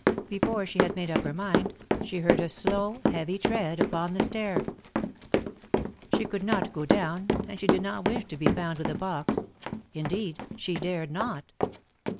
Before she had made up her mind, she heard a slow, heavy tread upon the stair. She could not go down and she did not wish to be found with the box indeed, she dared not.